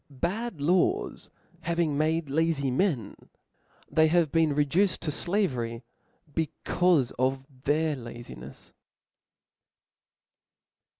Bad laws having niade lazy men ; they have been reduced to flavery, becaufe of their lazinels.